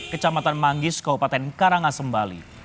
kecamatan manggis kabupaten karangasembali